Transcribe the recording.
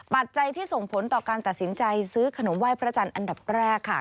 ปัจจัยที่ส่งผลต่อการตัดสินใจซื้อขนมไหว้พระจันทร์อันดับแรกค่ะ